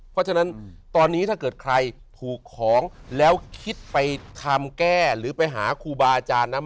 เพราะฉะนั้นตอนนี้ถ้าเกิดใครถูกของแล้วคิดไปทำแก้หรือไปหาครูบาอาจารย์นะ